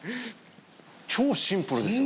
超シンプルですよ。